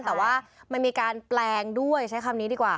แต่ว่ามันมีการแปลงด้วยใช้คำนี้ดีกว่า